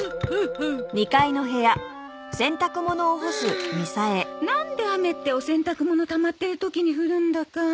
はあなんで雨ってお洗濯物たまってる時に降るんだか。